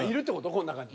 この中に。